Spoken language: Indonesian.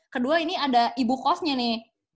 kedua ini ada ibu kosnya nih